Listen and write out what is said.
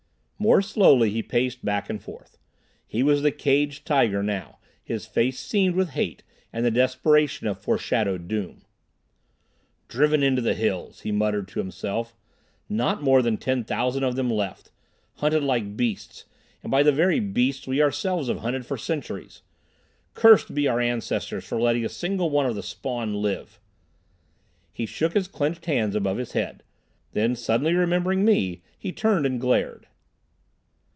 More slowly he paced back and forth. He was the caged tiger now, his face seamed with hate and the desperation of foreshadowed doom. "Driven out into the hills," he muttered to himself. "Not more than 10,000 of them left. Hunted like beasts and by the very beasts we ourselves have hunted for centuries. Cursed be our ancestors for letting a single one of the spawn live!" He shook his clenched hands above his head. Then, suddenly remembering me, he turned and glared.